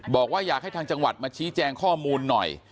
บอกว่าอยากให้ทางจังหวัดมาชี้แจงข้อมูลหน่อย